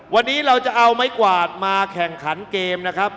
วันนี้เราจะเอาไม้กวาดมาแข่งขันเกมนะครับ